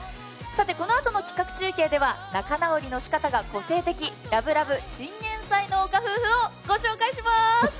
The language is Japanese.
このあとの企画中継では、仲直りのしかたが個性的、ラブラブ、チンゲンサイ夫婦を紹介します。